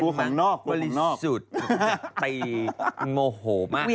แต่จีเขากลัว